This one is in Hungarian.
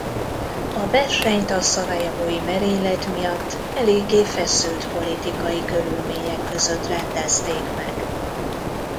A versenyt a Szarajevói merénylet miatt eléggé feszült politikai körülmények között rendezték meg.